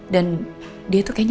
dan dia tuh kayaknya